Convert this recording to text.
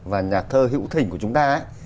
và nhà thơ hữu thỉnh của chúng ta